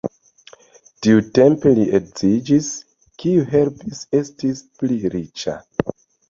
Tiutempe li edziĝis, kiu helpis esti pli riĉa.